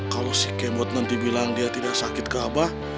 kalau si kemot nanti bilang dia tidak sakit ke abah